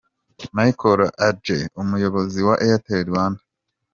Michael Adjei umuyobozi wa Airtel Rwanda.